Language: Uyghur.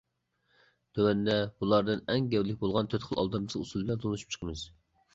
تۆۋەندە بۇلاردىن ئەڭ گەۋدىلىك بولغان تۆت خىل ئالدامچىلىق ئۇسۇلى بىلەن تونۇشۇپ چىقىمىز.